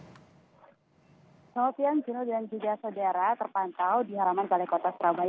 selamat siang jino dan juga saudara terpantau di halaman balai kota surabaya